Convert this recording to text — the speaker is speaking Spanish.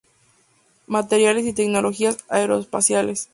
Materiales y Tecnologías Aeroespaciales.